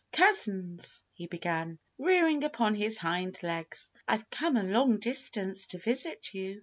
"Cousins," he began, rearing upon his hind legs, "I've come a long distance to visit you.